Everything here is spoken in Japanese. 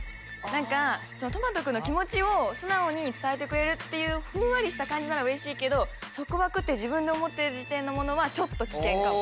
何かとまと君の気持ちを素直に伝えてくれるっていうふんわりした感じならうれしいけど束縛って自分で思ってる時点のものはちょっと危険かも。